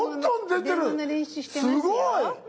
すごい。